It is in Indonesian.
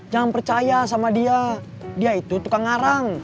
jangan percaya sama dia dia itu tukang arang